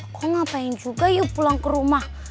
kok ngapain juga yuk pulang ke rumah